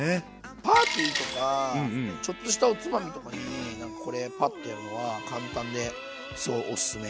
パーティーとかちょっとしたおつまみとかになんかこれパッとやるのは簡単ですごいおすすめ。